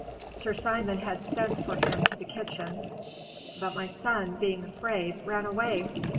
Sir Simon had sent for him to the kitchen, but my son, being afraid, ran away.